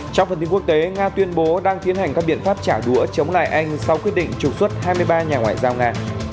trong phần tin quốc tế nga tuyên bố đang tiến hành các biện pháp trả đũa chống lại anh sau quyết định trục xuất hai mươi ba nhà ngoại giao nga